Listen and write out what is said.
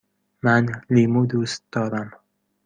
من لیمو دوست دارم.